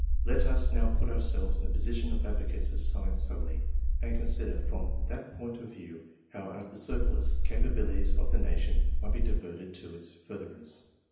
Let us now put ourselves in the position of advocates of science solely, and con sider from that point of view how the surplus capabilities of the nation might be diverted to its furtherance.